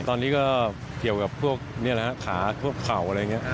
ตอนนี้ก็เกี่ยวกับพวกนี่แหละฮะขาพวกเข่าอะไรอย่างนี้